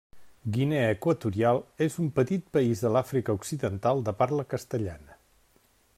Guinea Equatorial és un petit país de l'Àfrica occidental de parla castellana.